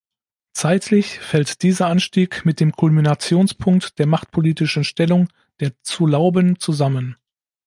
Zeitlich fällt dieser Anstieg mit dem Kulminationspunkt der machtpolitischen Stellung der Zurlauben zusammen.